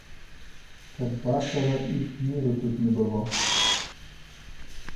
Каб вашага і шныру тут не было.